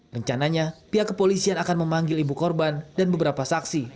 rencananya pihak kepolisian akan memanggil ibu korban dan beberapa saksi